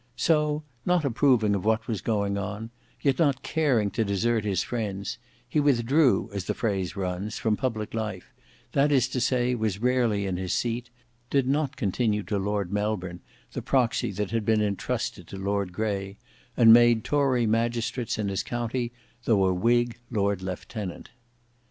So, not approving of what was going on, yet not caring to desert his friends, he withdrew, as the phrase runs, from public life; that is to say, was rarely in his seat; did not continue to Lord Melbourne the proxy that had been entrusted to Lord Grey; and made tory magistrates in his county though a whig lord lieutenant.